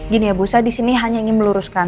gini ya bu saya disini hanya ingin meluruskan